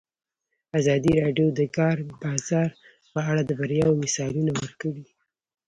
ازادي راډیو د د کار بازار په اړه د بریاوو مثالونه ورکړي.